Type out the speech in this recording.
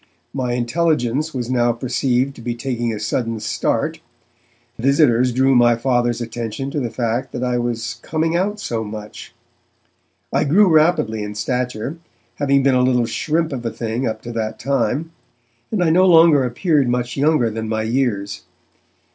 My intelligence was now perceived to be taking a sudden start; visitors drew my Father's attention to the fact that I was 'coming out so much'. I grew rapidly in stature, having been a little shrimp of a thing up to that time, and I no longer appeared much younger than my years.